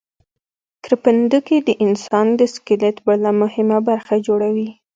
کرپندوکي د انسان د سکلیټ بله مهمه برخه جوړوي.